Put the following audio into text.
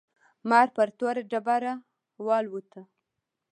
مار پر توره ډبره والوت.